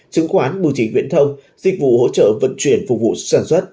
chứng khoán bưu trình viễn thông dịch vụ hỗ trợ vận chuyển phục vụ sản xuất